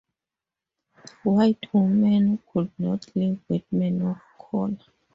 White women could not live with men of color.